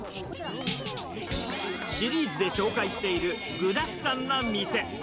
シリーズで紹介している具だくさんな店。